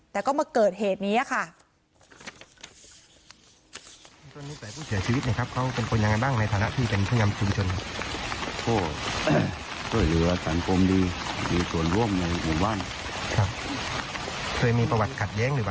แต่ก็มาเกิดเหตุนี้ค่ะ